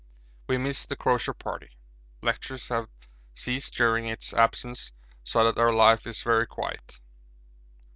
We miss the Crozier Party. Lectures have ceased during its absence, so that our life is very quiet.